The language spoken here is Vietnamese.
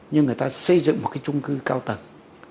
nhưng người ta xây dựng một cái trung cư cao tầng